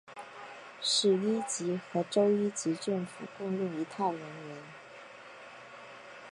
市一级和州一级政府共用一套人员。